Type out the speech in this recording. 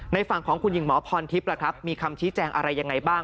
ฝั่งของคุณหญิงหมอพรทิพย์ล่ะครับมีคำชี้แจงอะไรยังไงบ้าง